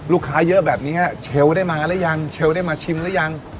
ลูกค้าเยอะแบบนี้เชลวได้มาหรือยังเชลวได้มาชิมหรือยัง